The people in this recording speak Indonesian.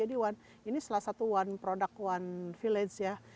ini salah satu one product one village ya